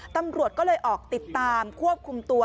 ตำรวจก็เลยออกติดตามควบคุมตัว